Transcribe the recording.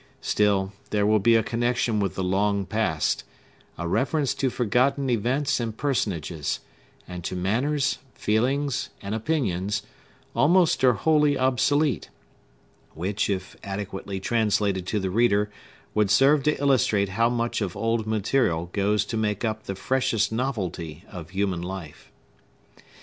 Still, there will be a connection with the long past—a reference to forgotten events and personages, and to manners, feelings, and opinions, almost or wholly obsolete—which, if adequately translated to the reader, would serve to illustrate how much of old material goes to make up the freshest novelty of human life.